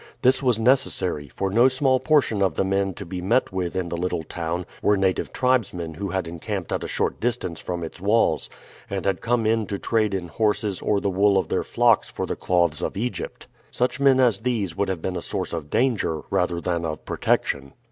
This was necessary, for no small portion of the men to be met with in the little town were native tribesmen who had encamped at a short distance from its walls, and had come in to trade in horses or the wool of their flocks for the cloths of Egypt. Such men as these would have been a source of danger rather than of protection.